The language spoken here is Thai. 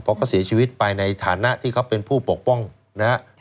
เพราะเขาเสียชีวิตไปในฐานะที่เขาเป็นผู้ปกป้องนะครับ